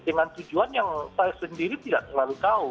dengan tujuan yang saya sendiri tidak terlalu tahu